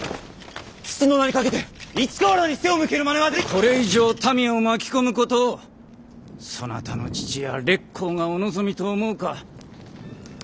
これ以上民を巻き込むことをそなたの父や烈公がお望みと思うか。